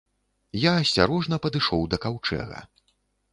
Я асцярожна падышоў да каўчэга.